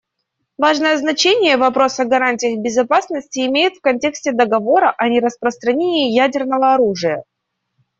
Важное значение вопрос о гарантиях безопасности имеет в контексте Договора о нераспространении ядерного оружия.